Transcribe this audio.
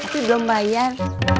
itu belum bayar